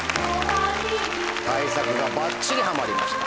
対策がバッチリはまりました。